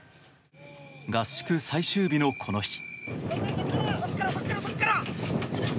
合宿最終日の、この日。